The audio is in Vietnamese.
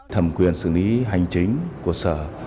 thẩm quyền xử lý hành chính của sở